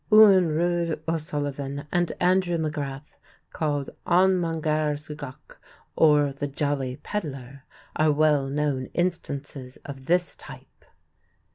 Eoghan Ruadh O'Sullivan and Andrew MacGrath, called An Mangaire Sugach or "the Jolly Pedlar," are well known instances of this type.